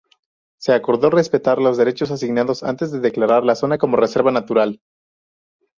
Se acordó respetar los derechos asignados antes de declarar la zona como Reserva Natural.